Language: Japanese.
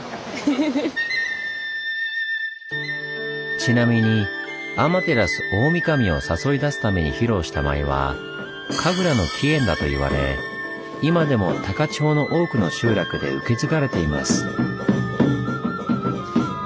ちなみにアマテラスオオミカミを誘い出すために披露した舞は神楽の起源だといわれ今でも高千穂の多くの集落で受け継がれています。